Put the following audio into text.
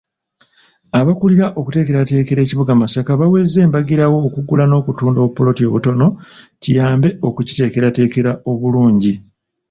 Abakulira okuteekerateekera ekibuga Masaka baweze mbagirawo okugula n'okutunda obupoloti obutono kiyambe okukiteekerateekera obulungi.